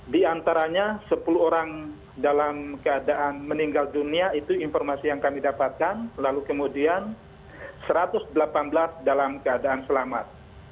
di antaranya sepuluh orang dalam keadaan meninggal dunia itu informasi yang kami dapatkan lalu kemudian satu ratus delapan belas dalam keadaan selamat